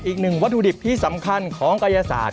อีกหนึ่งวัตถุดิบที่สำคัญของกายศาสต